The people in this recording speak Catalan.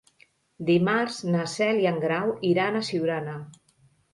Dimarts na Cel i en Grau iran a Siurana.